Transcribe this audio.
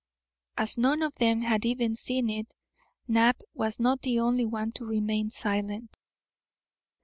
As none of them had even seen it, Knapp was not the only one to remain silent.